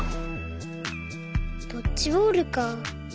ドッジボールか。